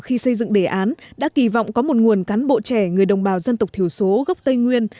khi xây dựng đề án đã kỳ vọng có một nguồn cán bộ trẻ người đồng bào dân tộc thiểu số gốc tây nguyên